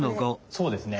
そうですね。